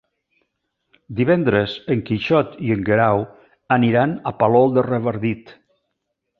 Divendres en Quixot i en Guerau aniran a Palol de Revardit.